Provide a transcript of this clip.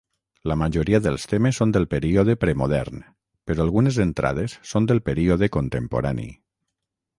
La majoria dels temes són del període premodern, però algunes entrades són del període contemporani.